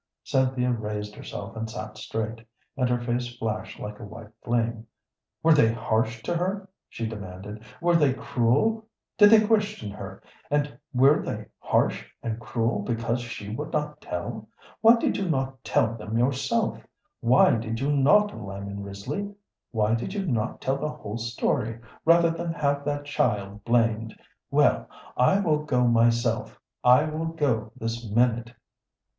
Cynthia raised herself and sat straight, and her face flashed like a white flame. "Were they harsh to her?" she demanded. "Were they cruel? Did they question her, and were they harsh and cruel because she would not tell? Why did you not tell them yourself? Why did you not, Lyman Risley? Why did you not tell the whole story rather than have that child blamed? Well, I will go myself. I will go this minute.